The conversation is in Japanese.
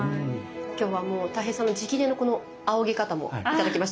今日はもうたい平さんの直伝のこのあおぎ方も頂きましたので。